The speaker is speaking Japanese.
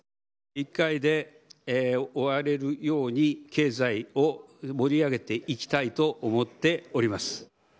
１回で終われるように、経済を盛り上げていきたいと思っております。